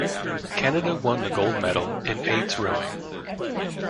Canada won the gold medal in eights rowing.